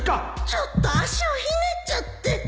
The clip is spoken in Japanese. ちょっと足をひねっちゃって